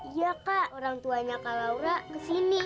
iya kak orang tuanya kak laura kesini